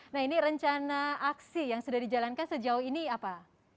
nah ini rencana aksi yang sudah dijalankan sejauh ini apa